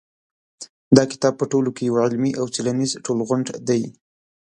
دا کتاب په ټوله کې یو علمي او څېړنیز ټولغونډ دی.